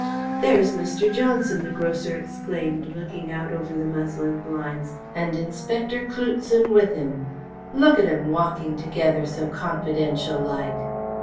"There is Mr. Johnson," the grocer exclaimed, looking out over the muslin blinds, "and Inspector Cloutson with him. Look at 'em walking together, so confidential like."